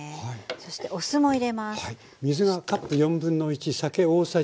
そしてお酢も入れます。